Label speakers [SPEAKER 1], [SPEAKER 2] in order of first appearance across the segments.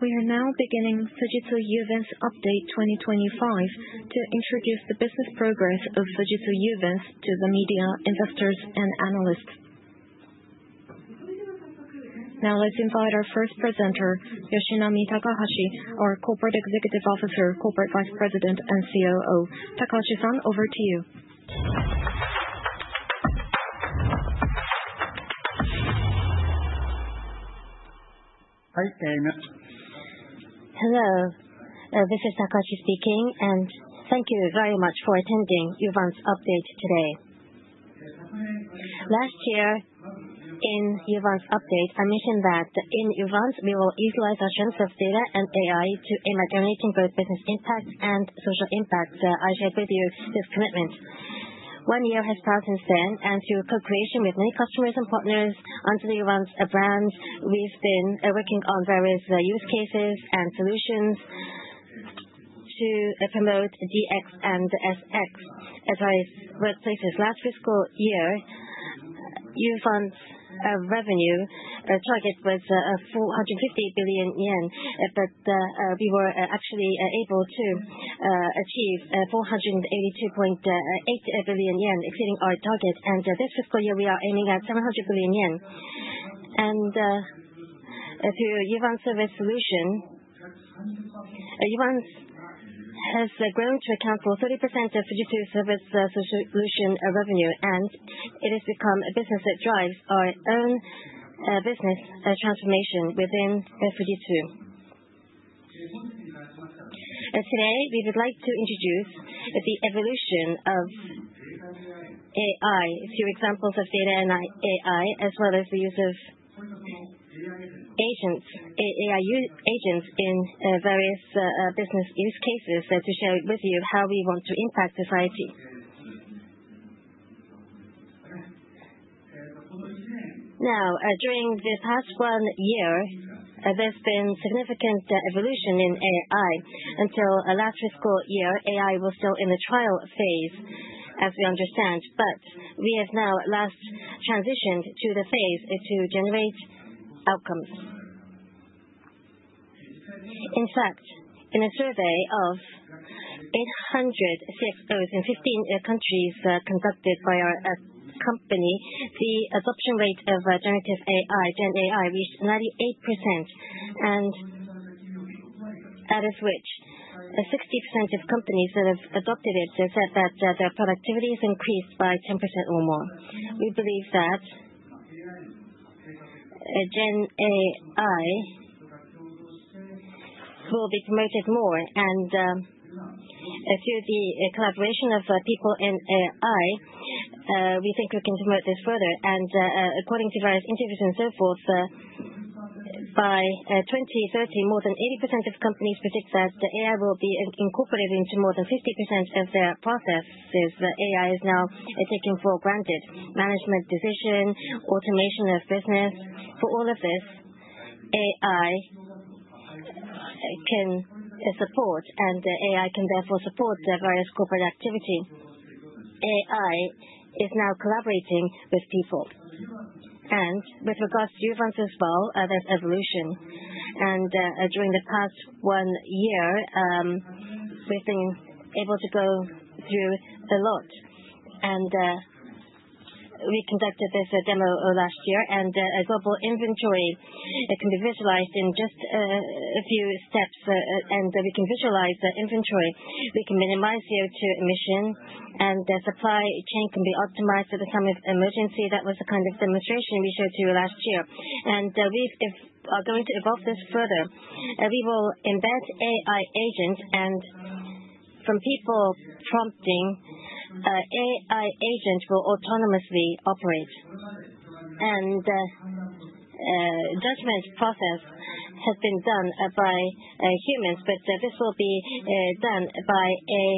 [SPEAKER 1] We are now beginning Fujitsu Uvance update 2025 to introduce the business progress of Fujitsu Uvance to the media, investors, and analysts. Now, let's invite our first presenter, Yoshinami Takahashi, our Corporate Executive Officer, Corporate Vice President, and COO. Takahashi-san, over to you.
[SPEAKER 2] Hello, this is Takeshi speaking, and thank you very much for attending Uvance update today. Last year, in Uvance update, I mentioned that in Uvance, we will utilize our strengths of data and AI to imagine creating both business impact and social impact. I shared with you this commitment. One year has passed since then, and through co-creation with many customers and partners under the Uvance brand, we've been working on various use cases and solutions to promote DX and SX as our workplaces. Last fiscal year, Uvance revenue target was 450 billion yen, but we were actually able to achieve 482.8 billion yen, exceeding our target. This fiscal year, we are aiming at 700 billion yen. Through Uvance service solution, Uvance has grown to account for 30% of Fujitsu service solution revenue, and it has become a business that drives our own business transformation within Fujitsu. Today, we would like to introduce the evolution of AI, through examples of data and AI, as well as the use of agents in various business use cases, to share with you how we want to impact society. Now, during the past one year, there's been significant evolution in AI. Until last fiscal year, AI was still in the trial phase, as we understand, but we have now transitioned to the phase to generate outcomes. In fact, in a survey of 800 CXOs in 15 countries conducted by our company, the adoption rate of generative AI, GenAI, reached 98%, and as of which, 60% of companies that have adopted it said that their productivity has increased by 10% or more. We believe that GenAI will be promoted more, and through the collaboration of people in AI, we think we can promote this further. According to various interviews and so forth, by 2030, more than 80% of companies predict that AI will be incorporated into more than 50% of their processes. AI is now taken for granted. Management decision, automation of business, for all of this, AI can support, and AI can therefore support various corporate activity. AI is now collaborating with people. With regards to Uvance as well, there's evolution. During the past one year, we've been able to go through a lot. We conducted this demo last year, and a global inventory can be visualized in just a few steps, and we can visualize the inventory. We can minimize CO2 emission, and the supply chain can be optimized at the time of emergency. That was the kind of demonstration we showed to you last year. We are going to evolve this further. We will embed AI agents, and from people prompting, AI agents will autonomously operate. And the judgment process has been done by humans, but this will be done by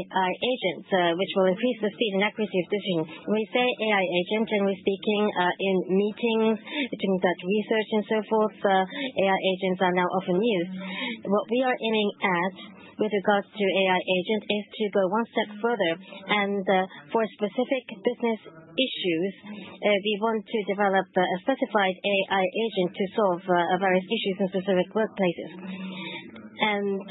[SPEAKER 2] AI agents, which will increase the speed and accuracy of decision. When we say AI agent, and we're speaking in meetings, doing research, and so forth, AI agents are now often used. What we are aiming at with regards to AI agents is to go one step further, and for specific business issues, we want to develop a specified AI agent to solve various issues in specific workplaces. And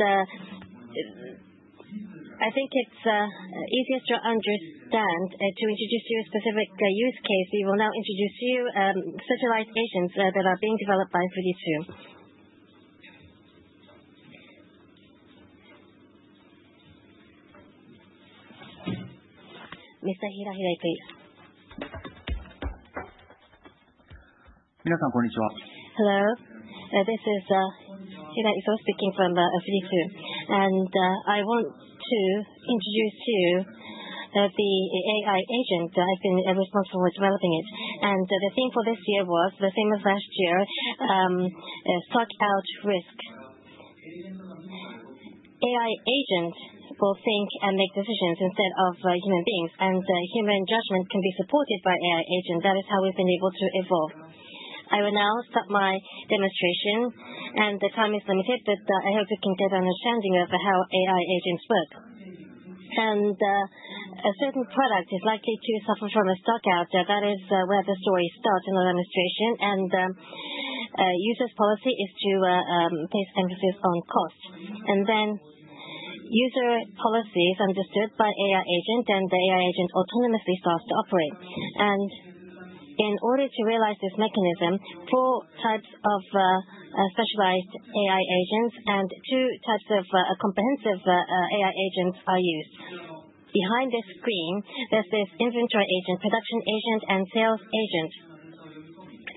[SPEAKER 2] I think it's easiest to understand to introduce you to a specific use case. We will now introduce you to specialized agents that are being developed by Fujitsu. Mr. Hiroki Hiramatsu, please Hello. This is Hiroki Hiramatsu speaking from Fujitsu. I want to introduce to you the AI agent I've been responsible for developing it. The theme for this year was the same as last year, "Stockout Risk." AI agents will think and make decisions instead of human beings, and human judgment can be supported by AI agents. That is how we've been able to evolve. I will now stop my demonstration, and the time is limited, but I hope you can get an understanding of how AI agents work. A certain product is likely to suffer from a stockout. That is where the story starts in the demonstration. The user's policy is to place emphasis on cost. The user policy is understood by AI agent, and the AI agent autonomously starts to operate. And in order to realize this mechanism, four types of specialized AI agents and two types of comprehensive AI agents are used. Behind this screen, there's this inventory agent, production agent, and sales agent.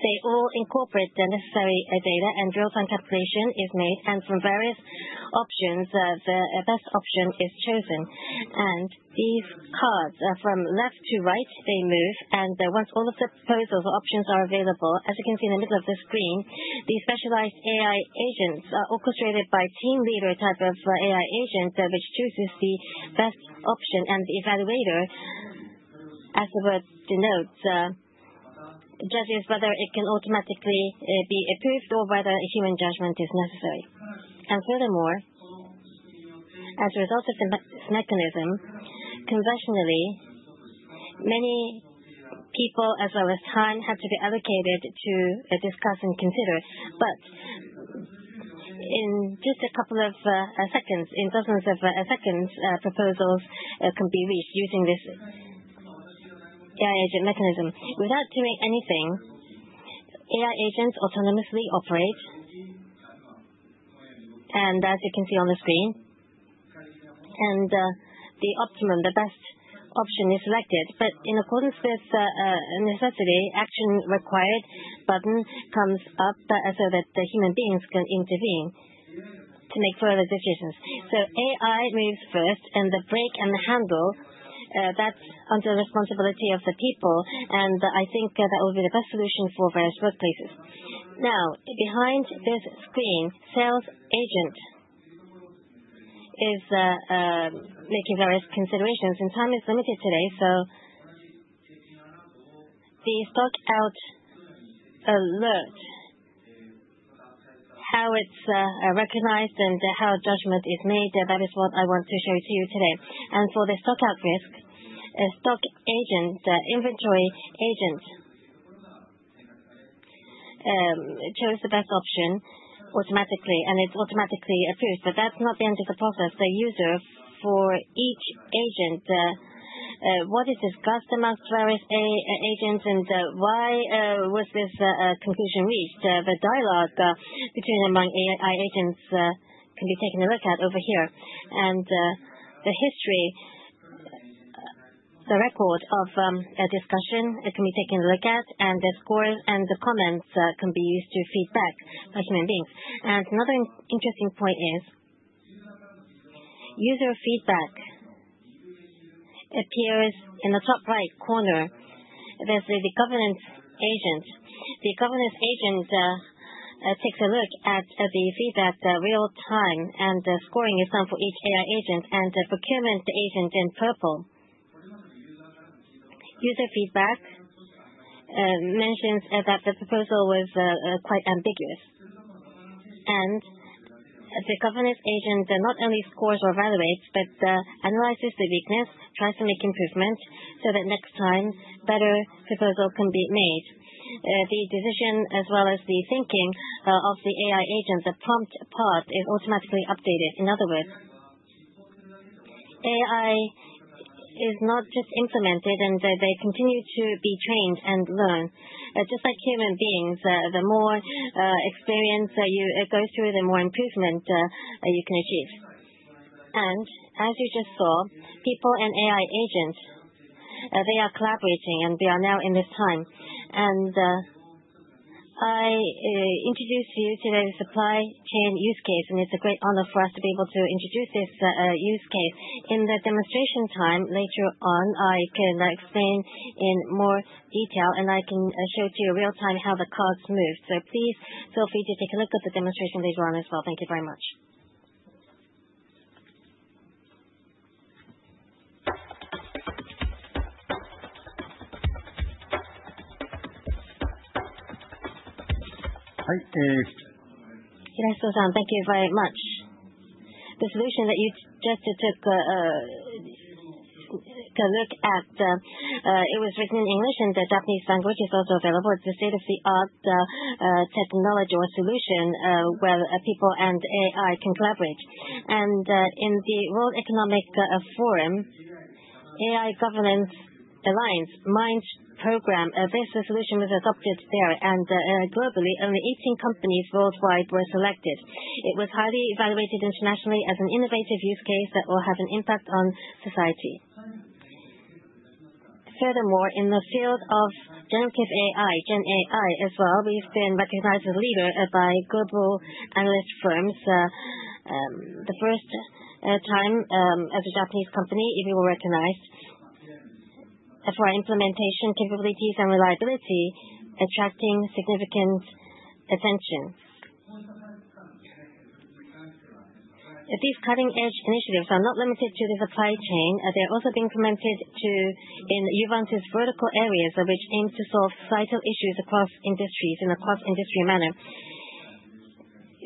[SPEAKER 2] They all incorporate the necessary data, and real-time calculation is made, and from various options, the best option is chosen, and these cards from left to right, they move, and once all of the proposals or options are available, as you can see in the middle of the screen, these specialized AI agents are orchestrated by a team leader type of AI agent, which chooses the best option, and the evaluator, as the word denotes, judges whether it can automatically be approved or whether human judgment is necessary, and furthermore, as a result of this mechanism, conventionally, many people, as well as time, had to be allocated to discuss and consider. But in just a couple of seconds, in dozens of seconds, proposals can be reached using this AI agent mechanism. Without doing anything, AI agents autonomously operate, and as you can see on the screen, the optimum, the best option is selected. But in accordance with necessity, action required button comes up so that human beings can intervene to make further decisions. So AI moves first, and the brake and the handle, that's under the responsibility of the people, and I think that will be the best solution for various workplaces. Now, behind this screen, the sales agent is making various considerations. And time is limited today, so the stockout alert, how it's recognized and how judgment is made, that is what I want to show to you today. And for the stockout risk, a stock agent, inventory agent, chose the best option automatically, and it's automatically approved. That's not the end of the process. The user for each agent, what is discussed amongst various agents, and why was this conclusion reached? The dialogue between and among AI agents can be taken a look at over here. The history, the record of discussion, it can be taken a look at, and the scores and the comments can be used to feedback by human beings. Another interesting point is user feedback appears in the top right corner. There's the governance agent. The governance agent takes a look at the feedback real time, and the scoring is done for each AI agent, and procurement agent in purple. User feedback mentions that the proposal was quite ambiguous. The governance agent not only scores or evaluates, but analyzes the weakness, tries to make improvements, so that next time, a better proposal can be made. The decision, as well as the thinking of the AI agent, the prompt part, is automatically updated. In other words, AI is not just implemented, and they continue to be trained and learn. Just like human beings, the more experience you go through, the more improvement you can achieve. And as you just saw, people and AI agents, they are collaborating, and we are now in this time. And I introduce to you today the supply chain use case, and it's a great honor for us to be able to introduce this use case. In the demonstration time later on, I can explain in more detail, and I can show to you real time how the cards move. So please feel free to take a look at the demonstration later on as well. Thank you very much Mr. Hiroki Hiramatsu, thank you very much. The solution that you just took a look at, it was written in English, and the Japanese language is also available. It's a state-of-the-art technology or solution where people and AI can collaborate, and in the World Economic Forum, AI Governance Alliance Minds program, this solution was adopted there, and globally, only 18 companies worldwide were selected. It was highly evaluated internationally as an innovative use case that will have an impact on society. Furthermore, in the field of generative AI, GenAI as well, we've been recognized as a leader by global analyst firms. The first time as a Japanese company, we were recognized for our implementation capabilities and reliability, attracting significant attention. These cutting-edge initiatives are not limited to the supply chain. They're also being implemented in Uvance's vertical areas, which aim to solve vital issues across industries in a cross-industry manner.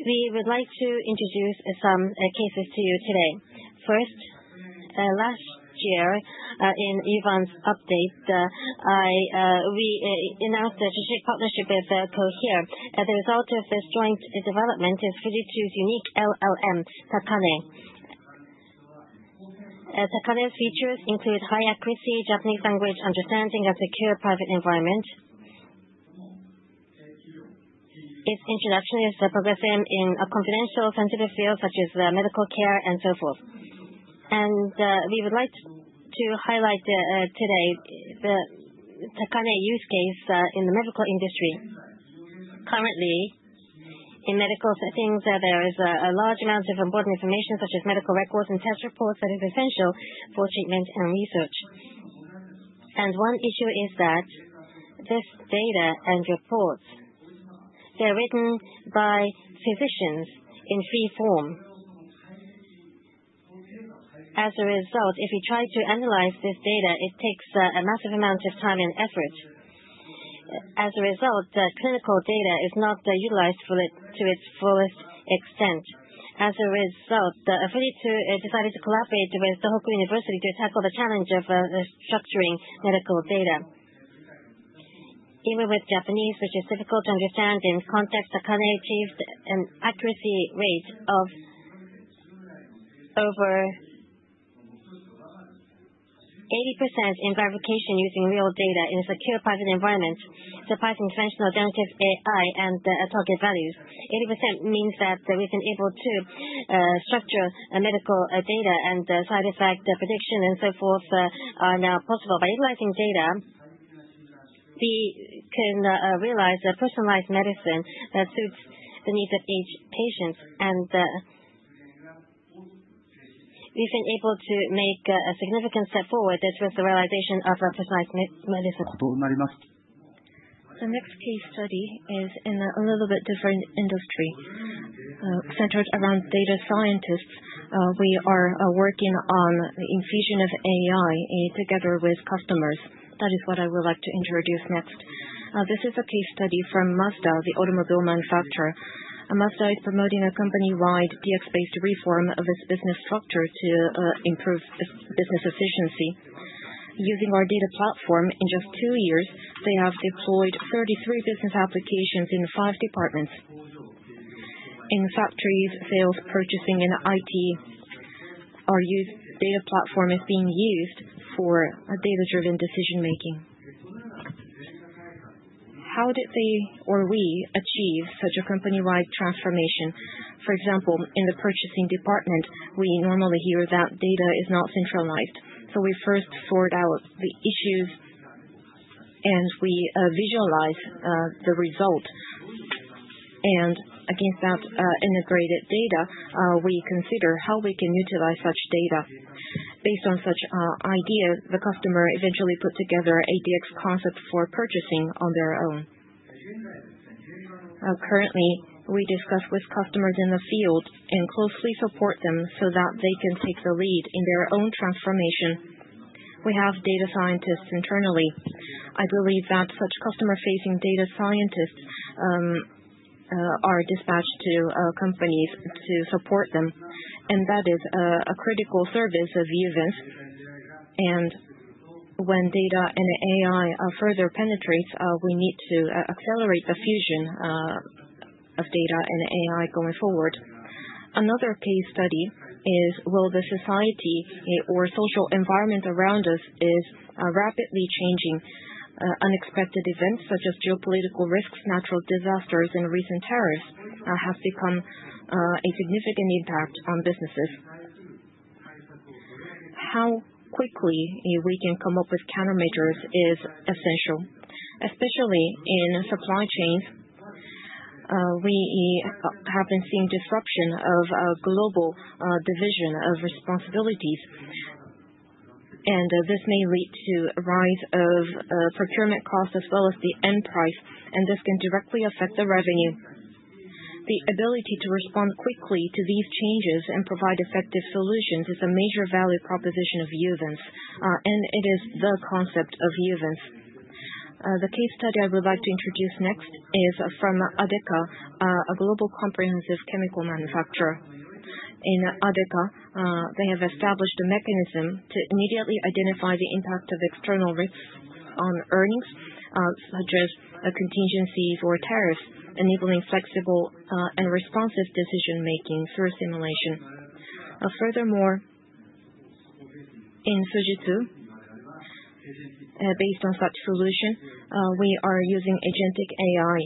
[SPEAKER 2] We would like to introduce some cases to you today. First, last year in Uvance update, we announced a strategic partnership with Cohere. The result of this joint development is Fujitsu's unique LLM, Takane. Takane's features include high accuracy, Japanese language understanding, and a secure private environment. Its introduction is progressing in a confidential, sensitive field, such as medical care and so forth. And we would like to highlight today the Takane use case in the medical industry. Currently, in medical settings, there is a large amount of important information, such as medical records and test reports that are essential for treatment and research. And one issue is that this data and reports, they're written by physicians in free form. As a result, if we try to analyze this data, it takes a massive amount of time and effort. As a result, the clinical data is not utilized to its fullest extent. As a result, Fujitsu decided to collaborate with Tohoku University to tackle the challenge of structuring medical data. Even with Japanese, which is difficult to understand in context, Takane achieved an accuracy rate of over 80% in verification using real data in a secure private environment, surpassing conventional generative AI and target values. 80% means that we've been able to structure medical data, and side effect prediction and so forth are now possible. By utilizing data, we can realize personalized medicine that suits the needs of each patient, and we've been able to make a significant step forward with the realization of personalized medicine. The next case study is in a little bit different industry. Centered around data scientists, we are working on the infusion of AI together with customers. That is what I would like to introduce next. This is a case study from Mazda, the automobile manufacturer. Mazda is promoting a company-wide DX-based reform of its business structure to improve business efficiency. Using our data platform, in just two years, they have deployed 33 business applications in five departments. In factories, sales, purchasing, and IT, our data platform is being used for data-driven decision-making. How did they, or we, achieve such a company-wide transformation? For example, in the purchasing department, we normally hear that data is not centralized. So we first sort out the issues, and we visualize the result. And against that integrated data, we consider how we can utilize such data. Based on such ideas, the customer eventually puts together a DX concept for purchasing on their own. Currently, we discuss with customers in the field and closely support them so that they can take the lead in their own transformation. We have data scientists internally. I believe that such customer-facing data scientists are dispatched to companies to support them. And that is a critical service of Uvance. And when data and AI further penetrates, we need to accelerate the fusion of data and AI going forward. Another case study is, well, the society or social environment around us is rapidly changing. Unexpected events such as geopolitical risks, natural disasters, and recent tariffs have become a significant impact on businesses. How quickly we can come up with countermeasures is essential, especially in supply chains. We have been seeing disruption of global division of responsibilities. This may lead to a rise of procurement costs as well as the end price. This can directly affect the revenue. The ability to respond quickly to these changes and provide effective solutions is a major value proposition of Uvance. It is the concept of Uvance. The case study I would like to introduce next is from ADEKA, a global comprehensive chemical manufacturer. In ADEKA, they have established a mechanism to immediately identify the impact of external risks on earnings, such as contingencies or tariffs, enabling flexible and responsive decision-making through simulation. Furthermore, in Fujitsu, based on such solution, we are using agentic AI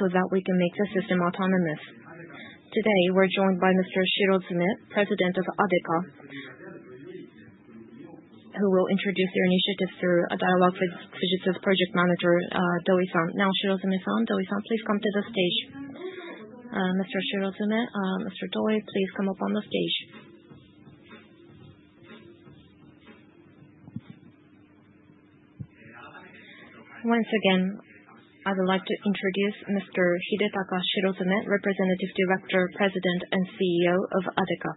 [SPEAKER 2] so that we can make the system autonomous. Today, we're joined by Mr. Shirozume, President of ADEKA, who will introduce their initiative through a dialogue with Fujitsu's project manager, Doi San. Now, Shirozume, Doi San, please come to the stage. Mr. Shirozume, Mr. Doi, please come up on the stage. Once again, I would like to introduce Mr. Hidetaka Shirozume, Representative Director, President, and CEO of ADEKA.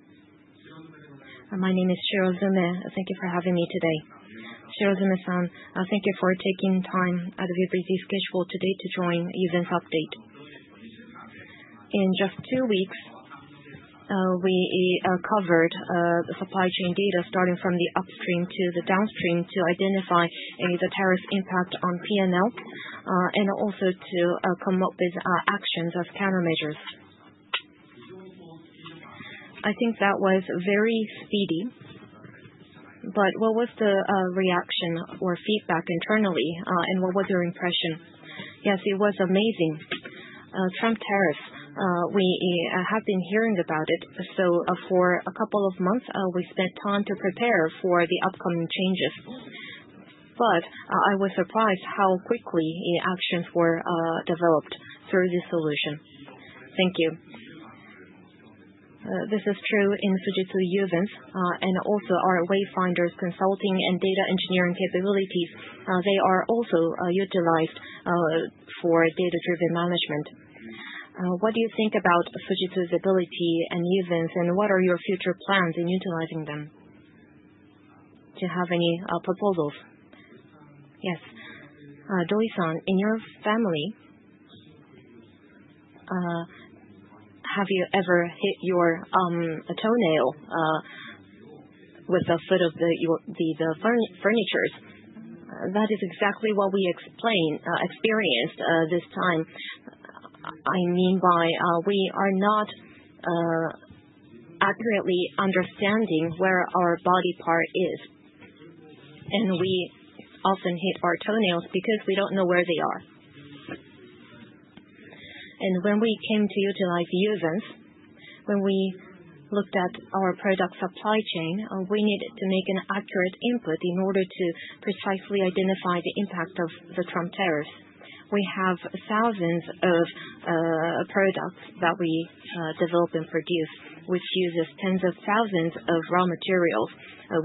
[SPEAKER 3] My name is Shirozume. Thank you for having me today. Shirozume San, thank you for taking time out of your busy schedule today to join Uvance update. In just two weeks, we covered the supply chain data starting from the upstream to the downstream to identify the tariff impact on P&L and also to come up with actions of countermeasures. I think that was very speedy. But what was the reaction or feedback internally, and what was your impression? Yes, it was amazing. Trump tariffs, we have been hearing about it. So for a couple of months, we spent time to prepare for the upcoming changes. But I was surprised how quickly actions were developed through this solution. Thank you. This is true in Fujitsu Uvance and also our Wayfinders Consulting and Data Engineering capabilities. They are also utilized for data-driven management. What do you think about Fujitsu's ability and Uvance, and what are your future plans in utilizing them? Do you have any proposals? Yes. Doi San, in your family, have you ever hit your toenail with the foot of the furniture? That is exactly what we experienced this time. I mean by we are not accurately understanding where our body part is. We often hit our toenails because we don't know where they are. When we came to utilize Uvance, when we looked at our product supply chain, we needed to make an accurate input in order to precisely identify the impact of the Trump tariffs. We have thousands of products that we develop and produce, which uses tens of thousands of raw materials,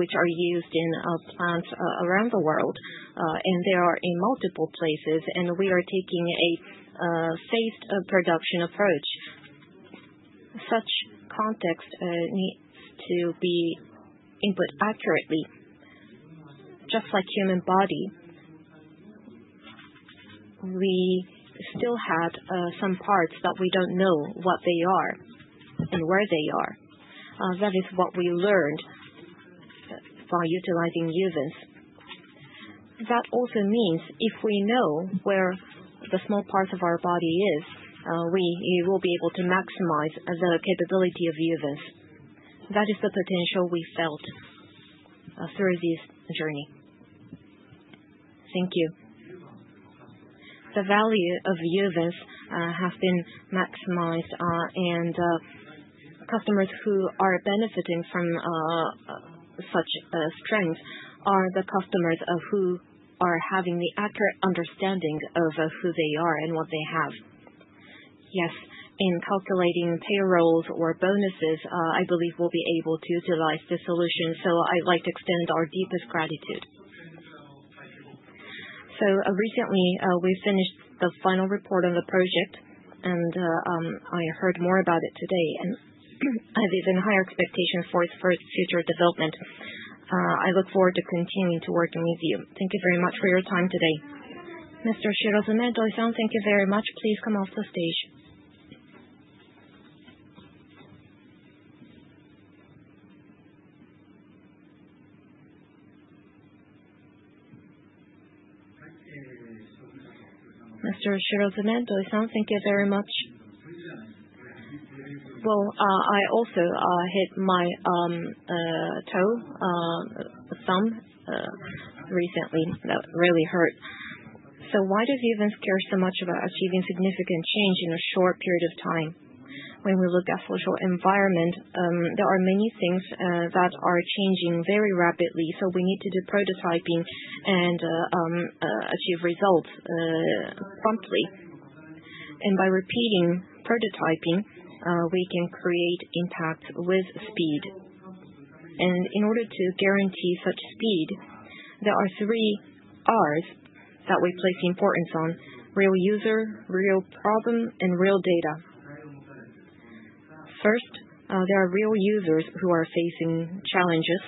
[SPEAKER 3] which are used in plants around the world. They are in multiple places, and we are taking a phased production approach. Such context needs to be input accurately. Just like human body, we still had some parts that we don't know what they are and where they are. That is what we learned by utilizing Uvance. That also means if we know where the small parts of our body are, we will be able to maximize the capability of Uvance. That is the potential we felt through this journey. Thank you. The value of Uvance has been maximized, and customers who are benefiting from such strength are the customers who are having the accurate understanding of who they are and what they have. Yes, in calculating payrolls or bonuses, I believe we'll be able to utilize the solution, so I'd like to extend our deepest gratitude. Recently, we finished the final report on the project, and I heard more about it today, and I have even higher expectations for its future development. I look forward to continuing to work with you. Thank you very much for your time today. Mr. Shirozume, Doi San, thank you very much. Please come off the stage. Mr. Shirozume, Doi San, thank you very much. Well, I also hit my big toe recently. That really hurt. Why does Uvance care so much about achieving significant change in a short period of time? When we look at the social environment, there are many things that are changing very rapidly, so we need to do prototyping and achieve results promptly. By repeating prototyping, we can create impact with speed. In order to guarantee such speed, there are three Rs that we place importance on: real user, real problem, and real data. First, there are real users who are facing challenges.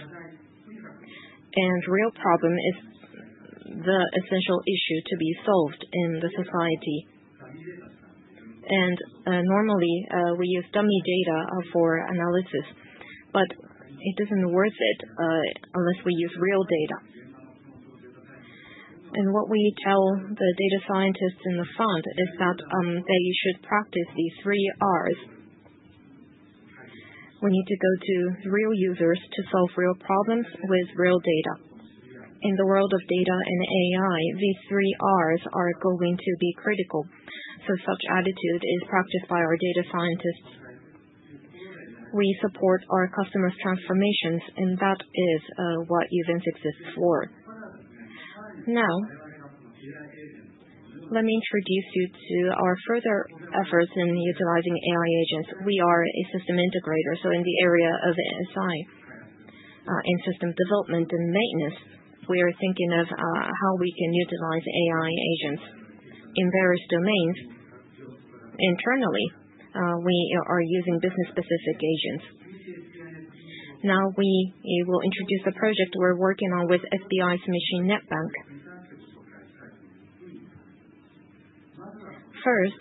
[SPEAKER 3] Real problem is the essential issue to be solved in the society. Normally, we use dummy data for analysis. But it isn't worth it unless we use real data. What we tell the data scientists in the front is that they should practice these three Rs. We need to go to real users to solve real problems with real data. In the world of data and AI, these three Rs are going to be critical. Such attitude is practiced by our data scientists. We support our customers' transformations, and that is what Uvance exists for. Now, let me introduce you to our further efforts in utilizing AI agents. We are a system integrator, so in the area of ASI and system development and maintenance, we are thinking of how we can utilize AI agents. In various domains, internally, we are using business-specific agents. Now, we will introduce the project we're working on with SBI Sumishin Net Bank. First,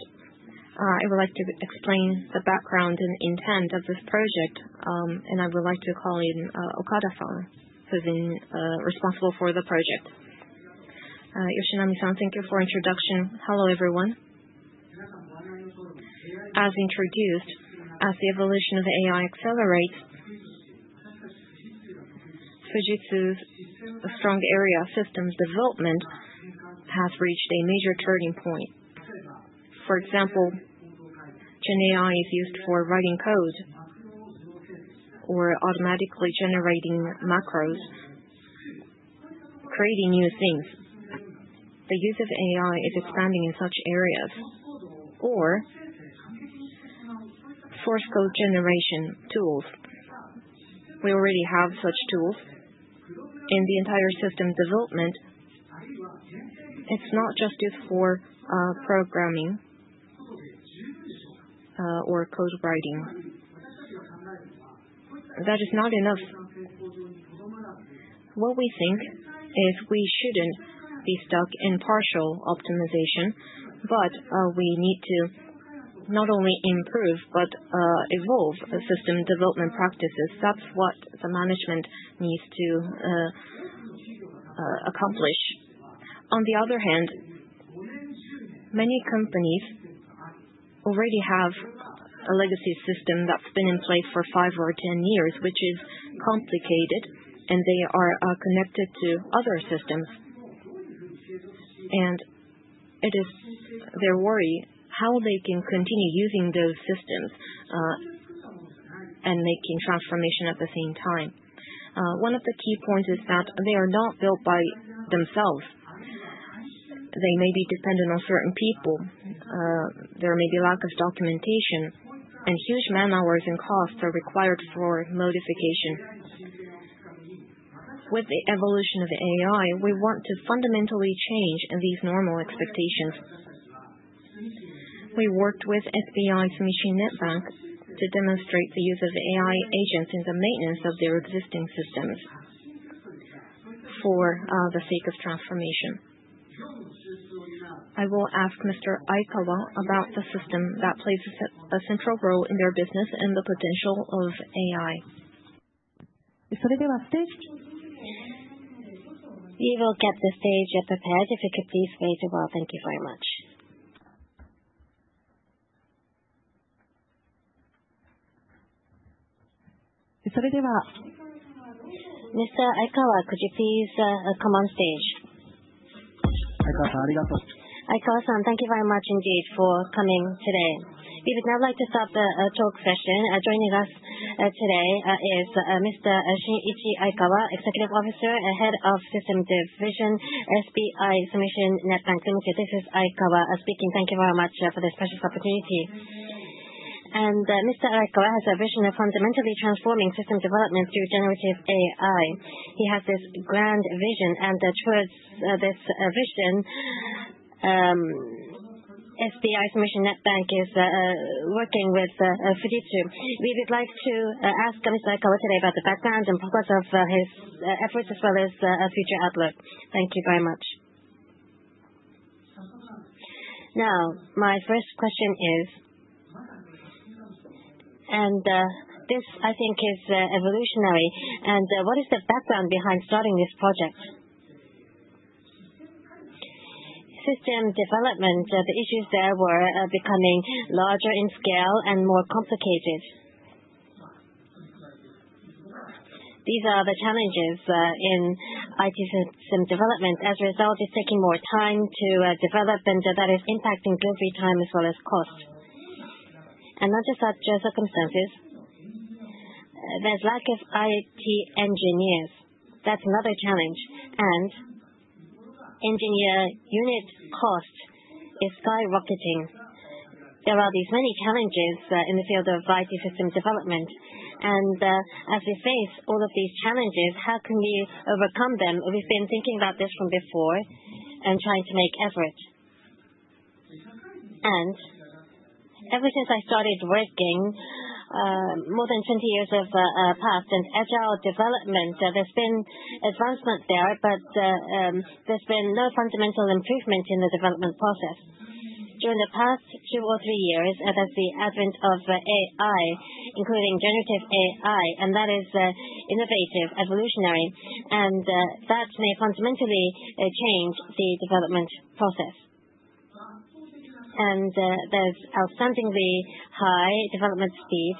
[SPEAKER 3] I would like to explain the background and intent of this project, and I would like to call in Aikawa-san, who's responsible for the project. Yoshinami-san, thank you for the introduction. Hello, everyone. As introduced, as the evolution of AI accelerates, Fujitsu's strong area of systems development has reached a major turning point. For example, GenAI is used for writing code or automatically generating macros, creating new things. The use of AI is expanding in such areas or source code generation tools. We already have such tools. The entire system development, it's not just used for programming or code writing. That is not enough. What we think is we shouldn't be stuck in partial optimization, but we need to not only improve but evolve system development practices. That's what the management needs to accomplish. On the other hand, many companies already have a legacy system that's been in place for five or 10 years, which is complicated, and they are connected to other systems. It is their worry how they can continue using those systems and making transformation at the same time. One of the key points is that they are not built by themselves. They may be dependent on certain people. There may be lack of documentation, and huge man hours and costs are required for modification. With the evolution of AI, we want to fundamentally change these normal expectations. We worked with SBI Sumishin Net Bank to demonstrate the use of AI agents in the maintenance of their existing systems for the sake of transformation. I will ask Mr. Aikawa about the system that plays a central role in their business and the potential of AI. We will get the stage prepared. If you could please wait a while. Thank you very much. Mr. Aikawa, could you please come on stage? Aikawa-san, thank you very much indeed for coming today. We would now like to start the talk session. Joining us today is Mr. Shinichi Aikawa, Executive Officer, Head of System Division, SBI Sumishin Net Bank. This is Aikawa speaking. Thank you very much for this precious opportunity, and Mr. Aikawa has a vision of fundamentally transforming system development through generative AI. He has this grand vision. Towards this vision, SBI Sumishin Net Bank is working with Fujitsu. We would like to ask Mr. Aikawa today about the background and purpose of his efforts as well as a future outlook. Thank you very much. Now, my first question is, and this I think is evolutionary. What is the background behind starting this project? System development, the issues there were becoming larger in scale and more complicated. These are the challenges in IT system development. As a result, it's taking more time to develop, and that is impacting delivery time as well as cost. Not just adverse circumstances. There's lack of IT engineers. That's another challenge. And engineer unit cost is skyrocketing. There are these many challenges in the field of IT system development. As we face all of these challenges, how can we overcome them? We've been thinking about this from before and trying to make effort, and ever since I started working, more than 20 years have passed, and agile development, there's been advancement there, but there's been no fundamental improvement in the development process. During the past two or three years, there's the advent of AI, including generative AI, and that is innovative, evolutionary, and that may fundamentally change the development process, and there's outstandingly high development speed,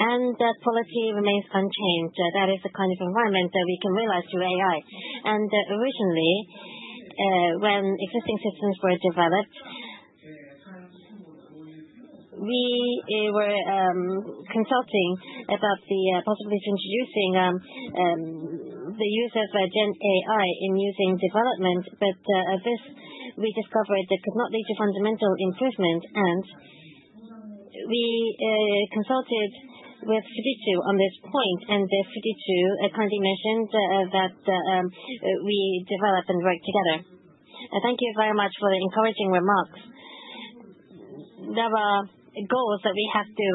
[SPEAKER 3] and that quality remains unchanged. That is the kind of environment that we can realize through AI, and originally, when existing systems were developed, we were consulting about the possibility of introducing the use of GenAI in using development, but at this, we discovered it could not lead to fundamental improvement, and we consulted with Fujitsu on this point, and Fujitsu kindly mentioned that we develop and work together. Thank you very much for the encouraging remarks. There are goals that we have to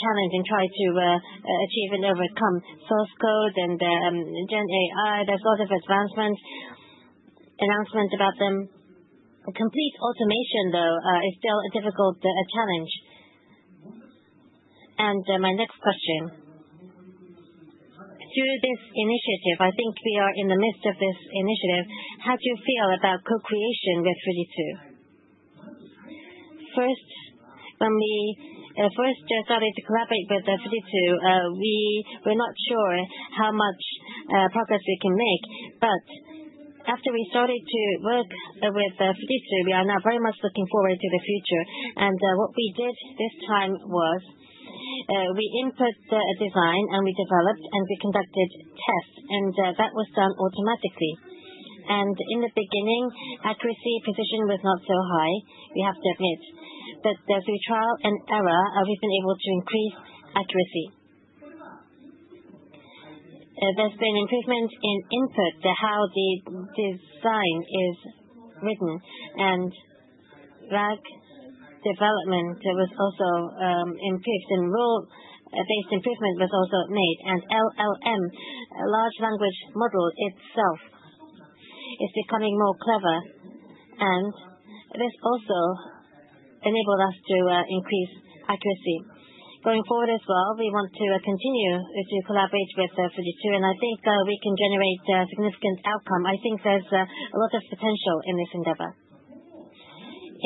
[SPEAKER 3] challenge and try to achieve and overcome. Source code and GenAI, there's a lot of advancement, announcements about them. Complete automation, though, is still a difficult challenge. And my next question. Through this initiative, I think we are in the midst of this initiative. How do you feel about co-creation with Fujitsu? First, when we first started to collaborate with Fujitsu, we were not sure how much progress we can make. But after we started to work with Fujitsu, we are now very much looking forward to the future. And what we did this time was we input the design, and we developed, and we conducted tests. And that was done automatically. And in the beginning, accuracy position was not so high, we have to admit. Through trial and error, we've been able to increase accuracy. There's been improvement in input, how the design is written. RAG development was also improved, and rule-based improvement was also made. LLM, large language model itself, is becoming more clever. This also enabled us to increase accuracy. Going forward as well, we want to continue to collaborate with Fujitsu. I think we can generate significant outcome. I think there's a lot of potential in this endeavor.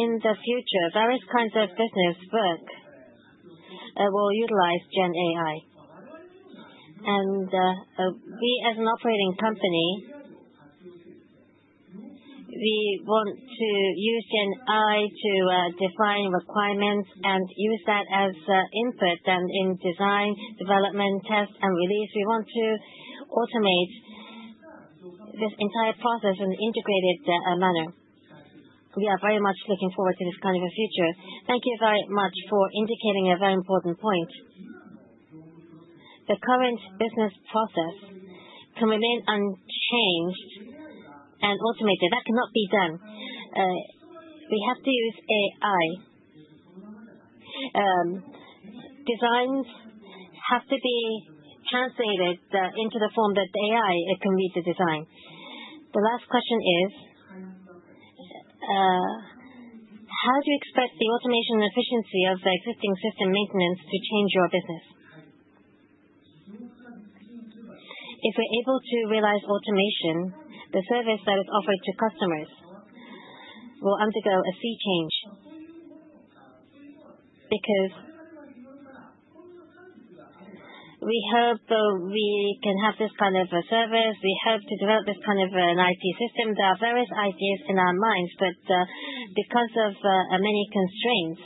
[SPEAKER 3] In the future, various kinds of business work will utilize GenAI. We, as an operating company, want to use GenAI to define requirements and use that as input. In design, development, test, and release, we want to automate this entire process in an integrated manner. We are very much looking forward to this kind of a future. Thank you very much for indicating a very important point. The current business process can remain unchanged and automated. That cannot be done. We have to use AI. Designs have to be translated into the form that AI can read the design. The last question is, how do you expect the automation and efficiency of the existing system maintenance to change your business? If we're able to realize automation, the service that is offered to customers will undergo a sea change. Because we hope we can have this kind of a service. We hope to develop this kind of an IT system. There are various ideas in our minds. But because of many constraints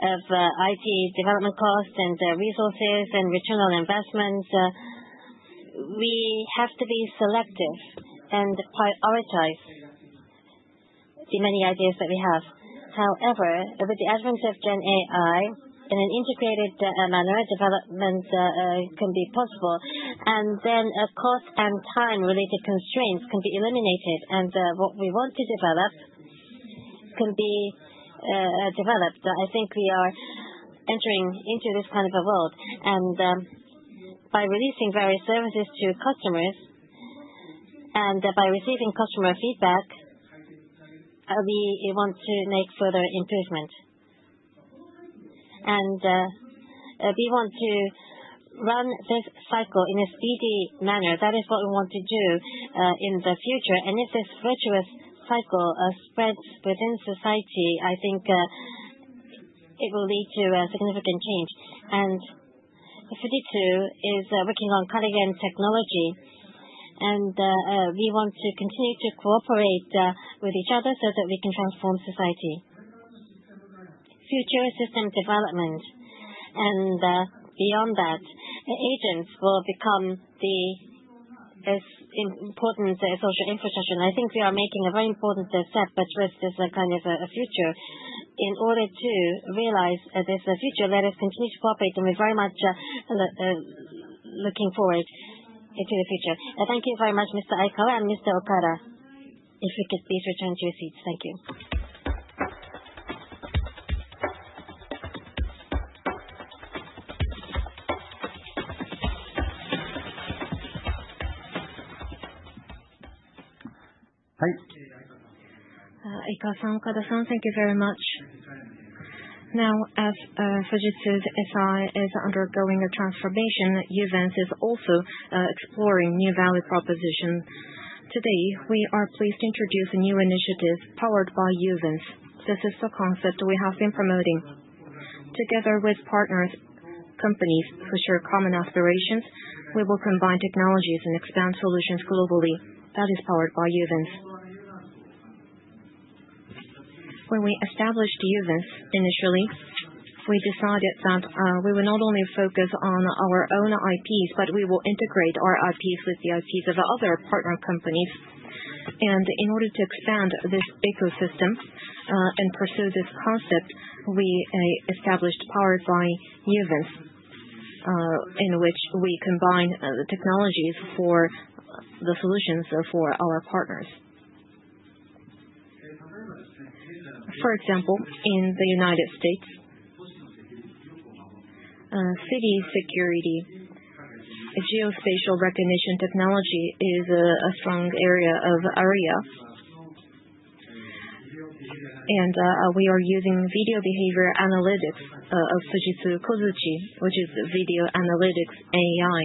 [SPEAKER 3] of IT development costs and resources and return on investment, we have to be selective and prioritize the many ideas that we have. However, with the advent of GenAI, in an integrated manner, development can be possible, and then cost and time-related constraints can be eliminated. What we want to develop can be developed. I think we are entering into this kind of a world. By releasing various services to customers and by receiving customer feedback, we want to make further improvement. We want to run this cycle in a speedy manner. That is what we want to do in the future. If this virtuous cycle spreads within society, I think it will lead to a significant change. Fujitsu is working on cutting-edge technology. We want to continue to cooperate with each other so that we can transform society. Future system development and beyond that, agents will become the most important social infrastructure. I think we are making a very important step. For us, this is a kind of a future. In order to realize this future, let us continue to cooperate. We're very much looking forward to the future. Thank you very much, Mr. Aikawa and Uncertain (possibly Takahashi). If you could please return to your seats. Thank you. Hai. Aikawa-san, Uncertain (possibly Takahashi)-san, thank you very much. Now, as Fujitsu's SI is undergoing a transformation, Uvance is also exploring new value propositions. Today, we are pleased to introduce a new initiative powered by Uvance. This is the concept we have been promoting. Together with partners, companies who share common aspirations, we will combine technologies and expand solutions globally. That is powered by Uvance. When we established Uvance initially, we decided that we would not only focus on our own IPs, but we will integrate our IPs with the IPs of other partner companies. And in order to expand this ecosystem and pursue this concept, we established powered by Uvance, in which we combine the technologies for the solutions for our partners. For example, in the United States, city security geospatial recognition technology is a strong area of Aria. We are using video behavior analytics of Fujitsu Kozuchi, which is video analytics AI.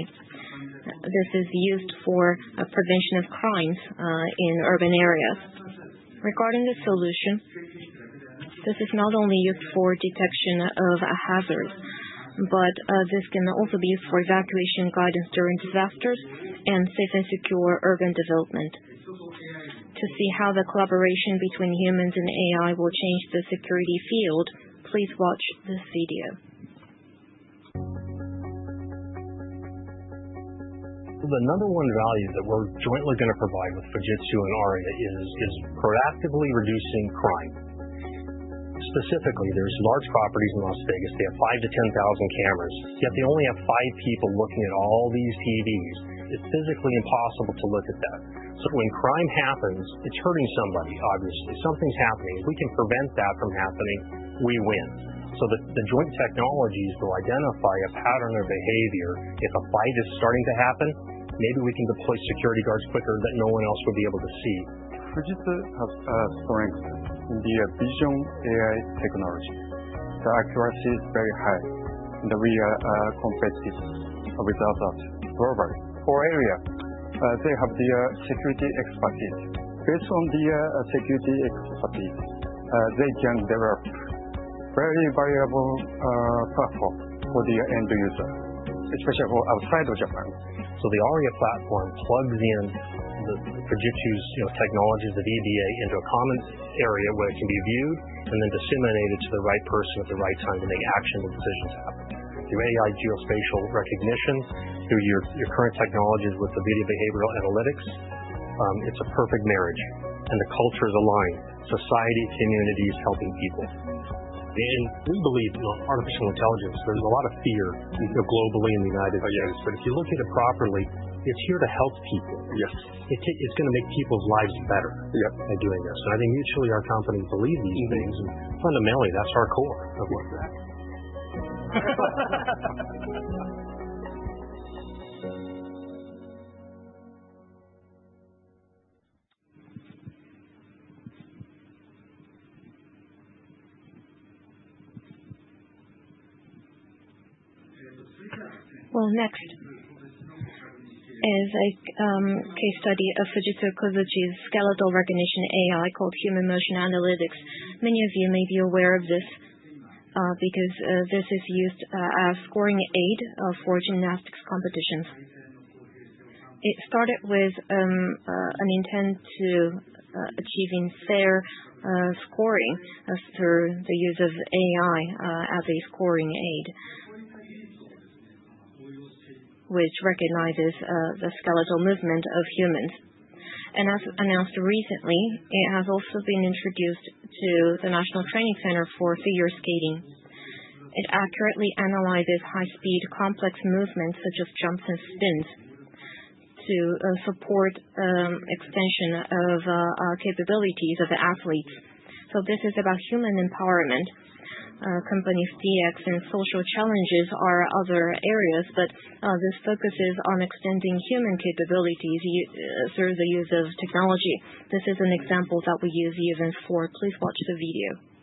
[SPEAKER 3] This is used for prevention of crimes in urban areas. Regarding the solution, this is not only used for detection of hazards, but this can also be used for evacuation guidance during disasters and safe and secure urban development. To see how the collaboration between humans and AI will change the security field, please watch this video. The number one value that we're jointly going to provide with Fujitsu and Aria is proactively reducing crime. Specifically, there's large properties in Las Vegas. They have 5,000-10,000 cameras. Yet they only have five people looking at all these TVs. It's physically impossible to look at that. When crime happens, it's hurting somebody, obviously. Something's happening. If we can prevent that from happening, we win. The joint technologies will identify a pattern of behavior. If a fight is starting to happen, maybe we can deploy security guards quicker than no one else would be able to see. Fujitsu has strength in their vision AI technology. The accuracy is very high. We are competitive with others globally. For ARIA, they have their security expertise. Based on their security expertise, they can develop very valuable platforms for their end users, especially outside of Japan. The ARIA platform plugs in Fujitsu's technologies of EBA into a common area where it can be viewed and then disseminated to the right person at the right time to make action and decisions happen. Through AI geospatial recognition, through your current technologies with the video behavioral analytics, it's a perfect marriage. The culture is aligned. Society, communities, helping people. We believe in artificial intelligence. There's a lot of fear globally in the United States. If you look at it properly, it's here to help people. It's going to make people's lives better by doing this. I think mutually our companies believe these things. Fundamentally, that's our core of what we're at. Next is a case study of Fujitsu Kozuchi's skeletal recognition AI called Human Motion Analytics. Many of you may be aware of this because this is used as scoring aid for gymnastics competitions. It started with an intent to achieve fair scoring through the use of AI as a scoring aid, which recognizes the skeletal movement of humans. As announced recently, it has also been introduced to the National Training Center for Figure Skating. It accurately analyzes high-speed complex movements such as jumps and spins to support extension of capabilities of the athletes. So this is about human empowerment. Companies' DX and social challenges are other areas. But this focuses on extending human capabilities through the use of technology. This is an example that we use Uvance for. Please watch the video.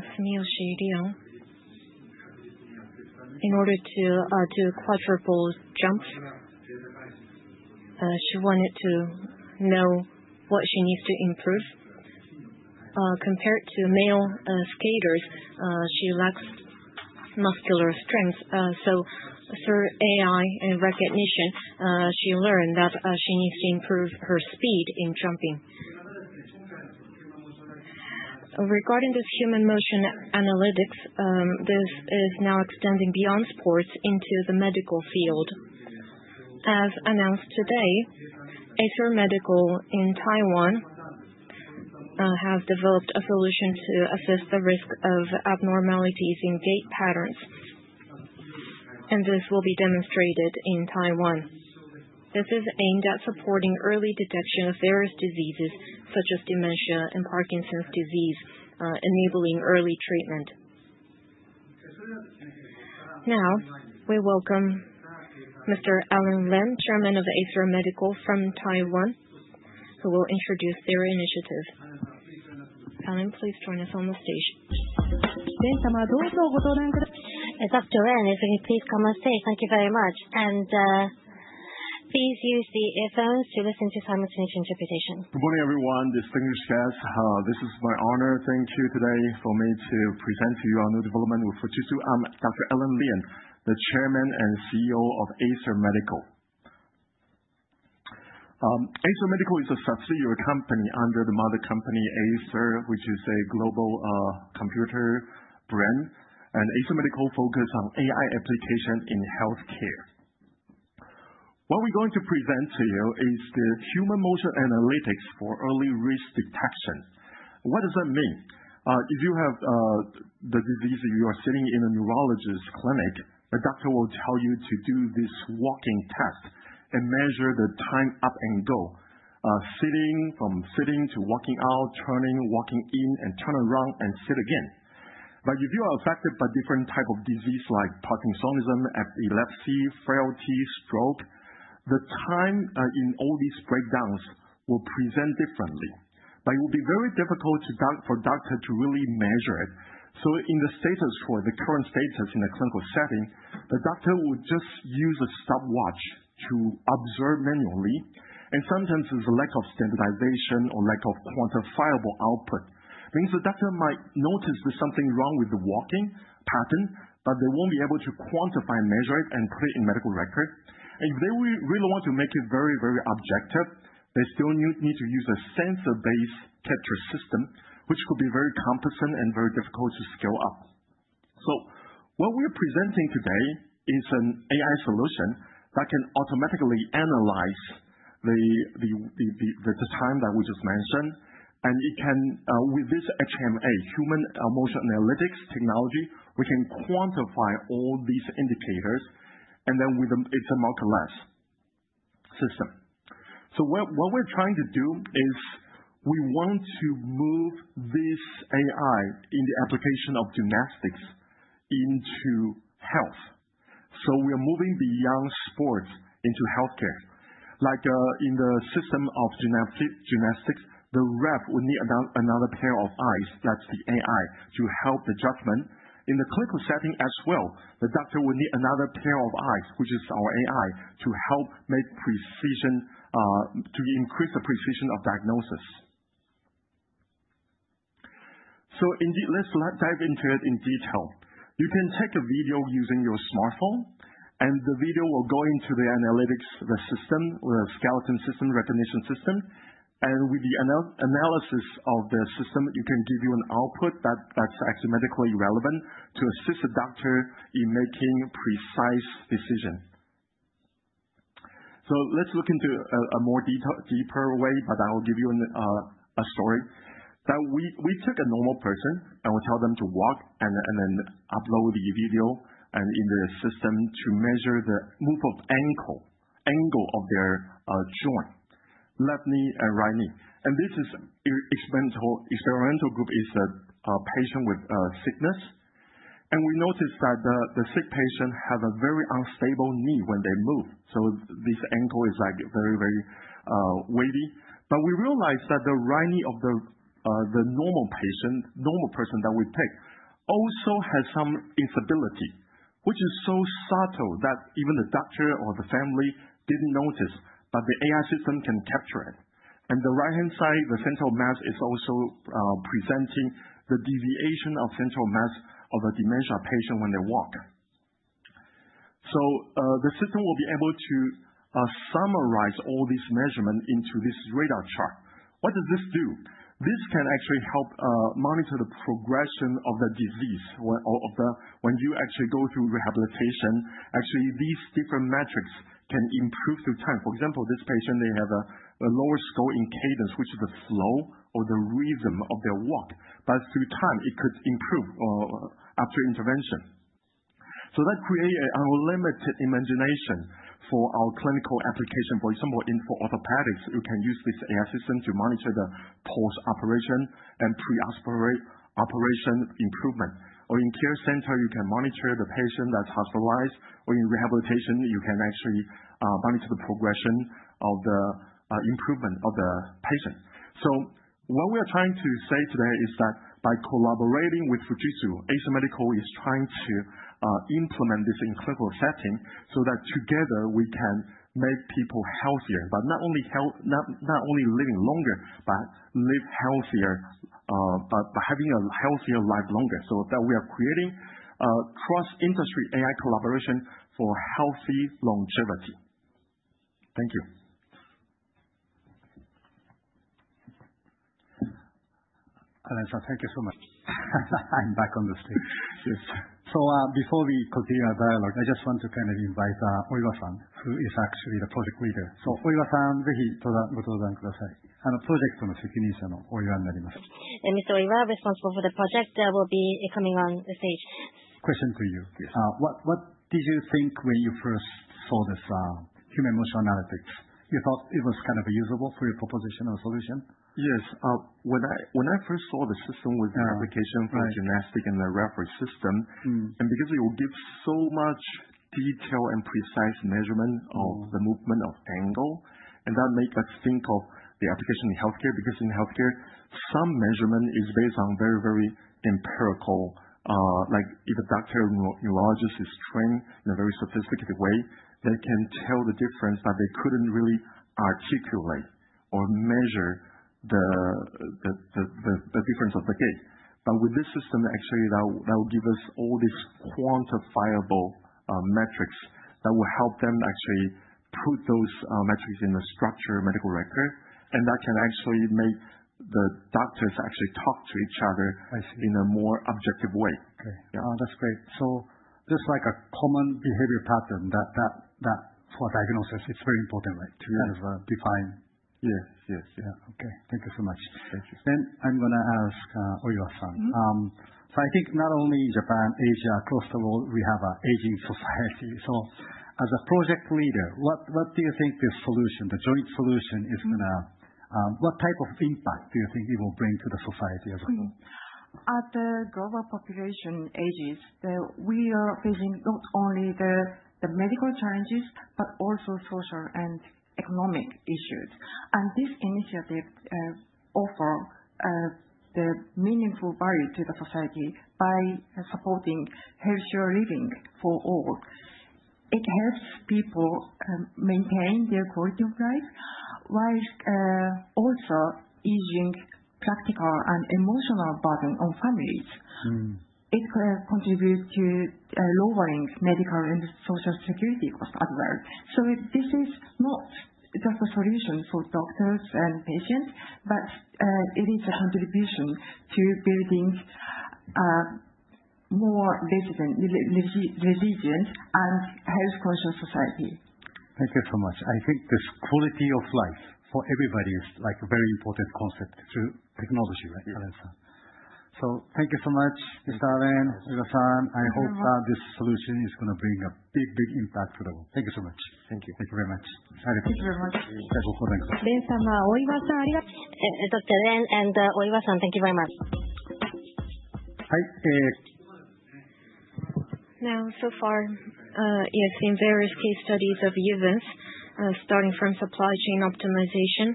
[SPEAKER 3] Thank you. In order to do quadruple jumps, she wanted to know what she needs to improve. Compared to male skaters, she lacks muscular strength. So through AI recognition, she learned that she needs to improve her speed in jumping. Regarding this Human Motion Analytics, this is now extending beyond sports into the medical field. As announced today, Acer Medical in Taiwan has developed a solution to assess the risk of abnormalities in gait patterns. And this will be demonstrated in Taiwan. This is aimed at supporting early detection of various diseases such as dementia and Parkinson's disease, enabling early treatment. Now, we welcome Mr. Alan Lin, Chairman of Acer Medical from Taiwan, who will introduce their initiative. Alan, please join us on the stage. Dr. Lin, if you can please come on stage. Thank you very much. And please use the phones to listen to simultaneous interpretation. Good morning, everyone. Distinguished guests, this is my honor. Thank you today for me to present to you our new development with Fujitsu. I'm Dr. Alan Lin, the Chairman and CEO of Acer Medical. Acer Medical is a subsidiary company under the mother company Acer, which is a global computer brand. And Acer Medical focuses on AI applications in healthcare. What we're going to present to you is the Human Motion Analytics for early risk detection. What does that mean? If you have the disease, you are sitting in a neurologist's clinic. A doctor will tell you to do this walking test and measure the time up and go, sitting from sitting to walking out, turning, walking in, and turn around and sit again, but if you are affected by different types of diseases like Parkinsonism, epilepsy, frailty, stroke, the time in all these breakdowns will present differently, but it will be very difficult for a doctor to really measure it, so in the status quo, the current status in a clinical setting, the doctor will just use a stopwatch to observe manually, and sometimes there's a lack of standardization or lack of quantifiable output. Means the doctor might notice there's something wrong with the walking pattern, but they won't be able to quantify and measure it and put it in the medical record. And if they really want to make it very, very objective, they still need to use a sensor-based capture system, which could be very cumbersome and very difficult to scale up, so what we're presenting today is an AI solution that can automatically analyze the time that we just mentioned. And with this HMA, Human Motion Analytics technology, we can quantify all these indicators, and then with an EMR class system, so what we're trying to do is we want to move this AI in the application of gymnastics into health, so we are moving beyond sports into healthcare. Like in the system of gymnastics, the ref would need another pair of eyes. That's the AI to help the judgment. In the clinical setting as well, the doctor would need another pair of eyes, which is our AI, to help make precision, to increase the precision of diagnosis. So indeed, let's dive into it in detail. You can take a video using your smartphone. And the video will go into the analytics, the system, the skeleton system, recognition system. And with the analysis of the system, it can give you an output that's actually medically relevant to assist a doctor in making precise decisions. So let's look into a more deeper way. But I will give you a story. We took a normal person and we told them to walk and then upload the video in the system to measure the move of the angle of their joint, left knee and right knee. And this experimental group is a patient with sickness. And we noticed that the sick patient has a very unstable knee when they move. So this angle is like very, very wavy. But we realized that the right knee of the normal patient, normal person that we picked, also has some instability, which is so subtle that even the doctor or the family didn't notice. But the AI system can capture it. And the right-hand side, the central mass is also presenting the deviation of central mass of a dementia patient when they walk. So the system will be able to summarize all these measurements into this radar chart. What does this do? This can actually help monitor the progression of the disease when you actually go through rehabilitation. Actually, these different metrics can improve through time. For example, this patient, they have a lower score in cadence, which is the flow or the rhythm of their walk. But through time, it could improve after intervention. So that creates unlimited imagination for our clinical application. For example, for orthopedics, you can use this AI system to monitor the post-operation and pre-operation improvement. Or in a care center, you can monitor the patient that's hospitalized. Or in rehabilitation, you can actually monitor the progression of the improvement of the patient. So what we are trying to say today is that by collaborating with Fujitsu, Acer Medical is trying to implement this in a clinical setting so that together we can make people healthier. But not only living longer, but live healthier, but having a healthier life longer. So that we are creating cross-industry AI collaboration for healthy longevity. Thank you. Alan, thank you so much. I'm back on the stage. Yes. So before we continue our dialogue, I just want to kind of invite Oiwa-san, who is actually the project leader. Mr. Oiwa, responsible for the project, will be coming on the stage.
[SPEAKER 2] Question to you. What did you think when you first saw this Human Motion Analytics? You thought it was kind of usable for your proposition or solution? Yes. When I first saw the system with the application for gymnastics and the referee system, and because it will give so much detail and precise measurement of the movement of angle, and that made us think of the application in healthcare. Because in healthcare, some measurement is based on very, very empirical. Like if a doctor or neurologist is trained in a very sophisticated way, they can tell the difference that they couldn't really articulate or measure the difference of the gait. But with this system, actually, that will give us all these quantifiable metrics that will help them actually put those metrics in the structured medical record. And that can actually make the doctors actually talk to each other in a more objective way. OK, that's great. So just like a common behavior pattern for diagnosis, it's very important, right, to kind of define. Yes, yes, yes. OK, thank you so much. Thank you. Then I'm going to ask Oiwa-san. So I think not only in Japan, Asia, across the world, we have an aging society. So as a project leader, what do you think the solution, the joint solution, is going to, what type of impact do you think it will bring to the society as a whole? As the global population ages, we are facing not only the medical challenges, but also social and economic issues. And this initiative offers the meaningful value to the society by supporting healthier living for all. It helps people maintain their quality of life while also easing practical and emotional burden on families. It contributes to lowering medical and social security costs as well. So this is not just a solution for doctors and patients, but it is a contribution to building a more resilient and health-conscious society. Thank you so much. I think this quality of life for everybody is like a very important concept through technology, right, Alan-san? So thank you so much, Mr. Alan, Oiwa-san. I hope that this solution is going to bring a big, big impact to the world. Thank you so much. Thank you. Thank you very much. Thank you very much. Thank you. Dr. Alan and Oiwa-san, thank you very much. Yes. Now, so far, you have seen various case studies of events, starting from supply chain optimization,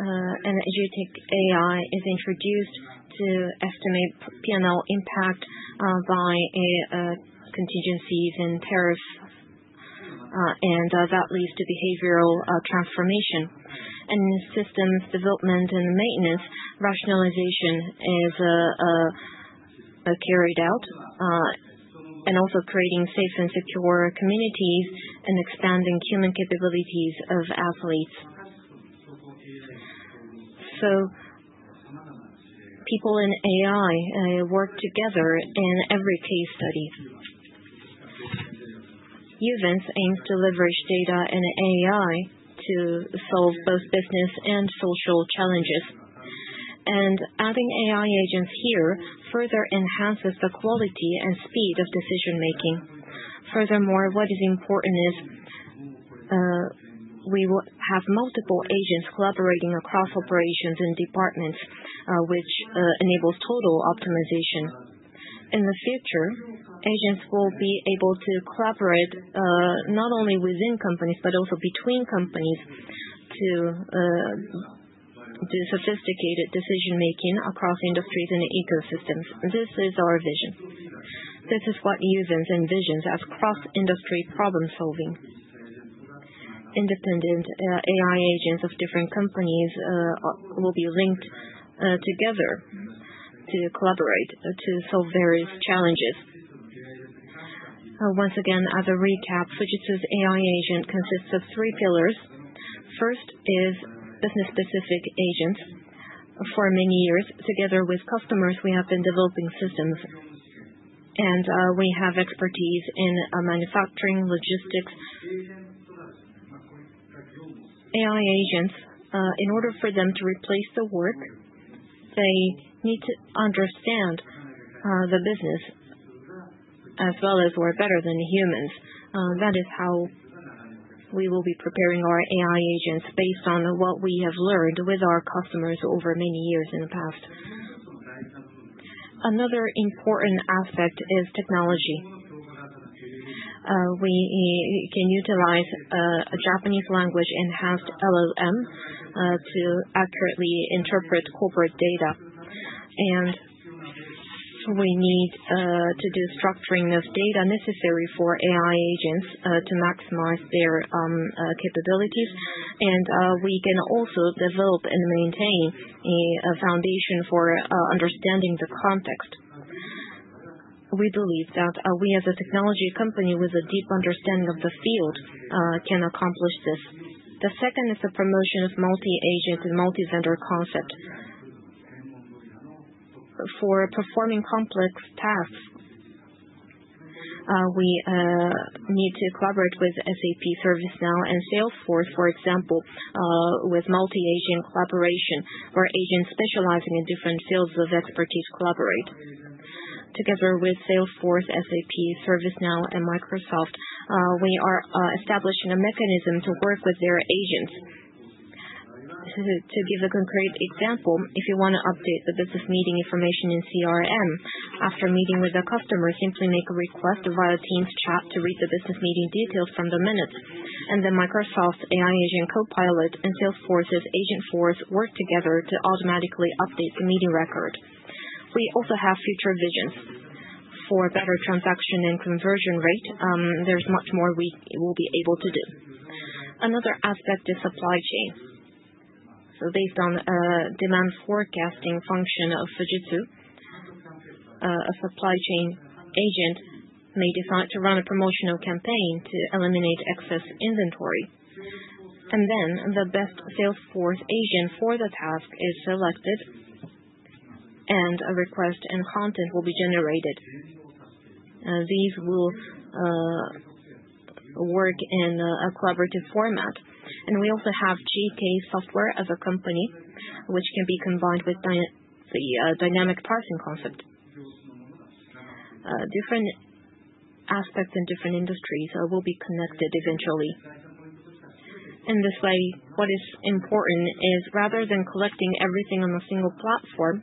[SPEAKER 2] and as AI is introduced to estimate P&L impact by contingencies and tariffs. That leads to behavioral transformation. In systems development and maintenance, rationalization is carried out, and also creating safe and secure communities and expanding human capabilities of athletes. People and AI work together in every case study. Fujitsu Uvance aims to leverage data and AI to solve both business and social challenges. Adding AI agents here further enhances the quality and speed of decision-making. Furthermore, what is important is we will have multiple agents collaborating across operations and departments, which enables total optimization. In the future, agents will be able to collaborate not only within companies, but also between companies to do sophisticated decision-making across industries and ecosystems. This is our vision. This is what Fujitsu Uvance envisions as cross-industry problem-solving. Independent AI agents of different companies will be linked together to collaborate to solve various challenges. Once again, as a recap, Fujitsu's AI agent consists of three pillars. First is business-specific agents. For many years, together with customers, we have been developing systems. And we have expertise in manufacturing, logistics. AI agents, in order for them to replace the work, they need to understand the business as well as we're better than humans. That is how we will be preparing our AI agents based on what we have learned with our customers over many years in the past. Another important aspect is technology. We can utilize a Japanese language-enhanced LLM to accurately interpret corporate data. And we need to do structuring of data necessary for AI agents to maximize their capabilities. We can also develop and maintain a foundation for understanding the context. We believe that we, as a technology company with a deep understanding of the field, can accomplish this. The second is the promotion of multi-agent and multi-vendor concept. For performing complex tasks, we need to collaborate with SAP, ServiceNow, and Salesforce, for example, with multi-agent collaboration, where agents specializing in different fields of expertise collaborate. Together with Salesforce, SAP, ServiceNow, and Microsoft, we are establishing a mechanism to work with their agents. To give a concrete example, if you want to update the business meeting information in CRM, after meeting with a customer, simply make a request via Teams chat to read the business meeting details from the minutes. The Microsoft AI Agent Copilot and Salesforce's Agentforce work together to automatically update the meeting record. We also have future visions. For better transaction and conversion rate, there's much more we will be able to do. Another aspect is supply chain, so based on a demand forecasting function of Fujitsu, a supply chain agent may decide to run a promotional campaign to eliminate excess inventory, and then the best Salesforce agent for the task is selected, and a request and content will be generated. These will work in a collaborative format, and we also have GK Software as a company, which can be combined with the dynamic pricing concept. Different aspects in different industries will be connected eventually. In this way, what is important is rather than collecting everything on a single platform,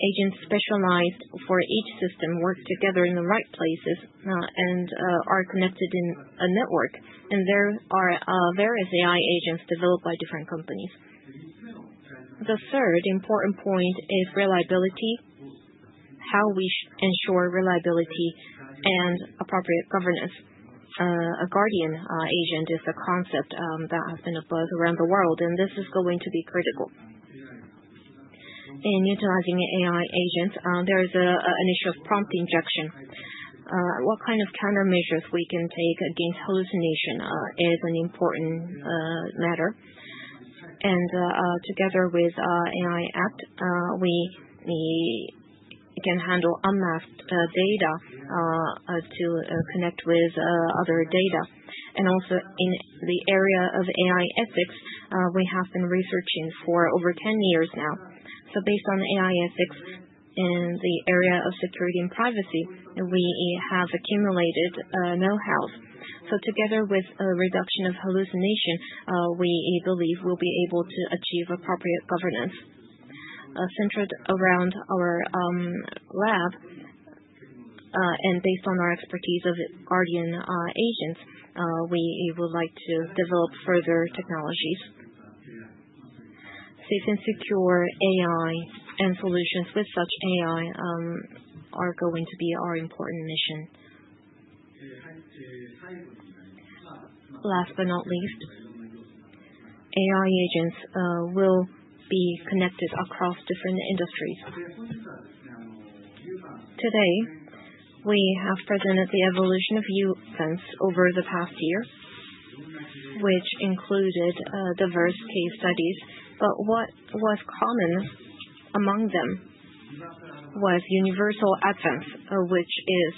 [SPEAKER 2] agents specialized for each system work together in the right places and are connected in a network, and there are various AI agents developed by different companies. The third important point is reliability, how we ensure reliability and appropriate governance. A guardian agent is a concept that has been applied around the world, and this is going to be critical. In utilizing AI agents, there is an issue of prompt injection. What kind of countermeasures we can take against hallucination is an important matter. And together with AI Act, we can handle unmasked data to connect with other data. And also in the area of AI ethics, we have been researching for over 10 years now. So based on AI ethics in the area of security and privacy, we have accumulated know-how. So together with a reduction of hallucination, we believe we'll be able to achieve appropriate governance. Centered around our lab and based on our expertise of Guardian agents, we would like to develop further technologies. Safe and secure AI and solutions with such AI are going to be our important mission. Last but not least, AI agents will be connected across different industries. Today, we have presented the evolution of Uvance over the past year, which included diverse case studies. But what was common among them was Uvance, which is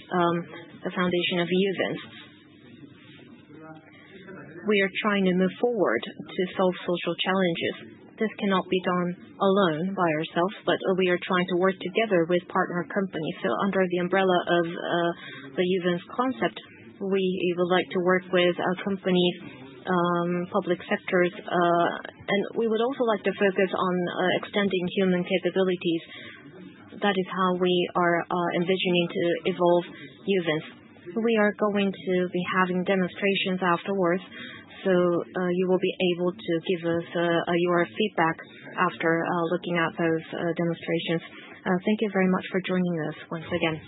[SPEAKER 2] the foundation of Uvance. We are trying to move forward to solve social challenges. This cannot be done alone by ourselves, but we are trying to work together with partner companies. So under the umbrella of the Uvance concept, we would like to work with companies, public sectors, and we would also like to focus on extending human capabilities. That is how we are envisioning to evolve Uvance. We are going to be having demonstrations afterwards, so you will be able to give us your feedback after looking at those demonstrations. Thank you very much for joining us once again.